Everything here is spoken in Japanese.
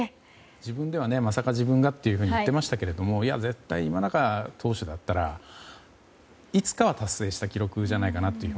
自分ではまさか自分がと言っていましたがいや、絶対、今永投手だったらいつかは達成した記録じゃないかと思う。